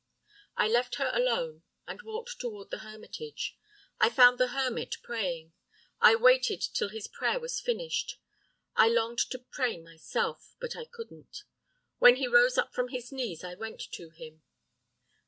"I left her alone and walked toward the hermitage. I found the hermit praying. I waited till his prayer was finished. I longed to pray myself, but I couldn't. When he rose up from his knees I went to him.